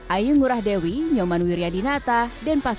ayung murahdewi nyoman wiri dan pemirsa pantai sanur berkata